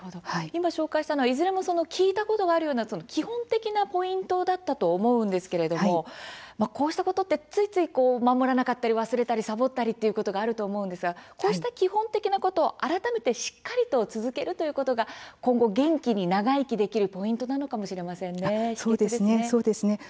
今紹介したのはいずれも聞いたことがあるような基本的なポイントだったと思うんですけれどもこうしたことって、ついつい守らなかったり忘れたりサボったりということがあると思うんですがこうした基本的なことを改めてしっかり続けるということが今後元気に長生きできるポイントなのかもしれませんね。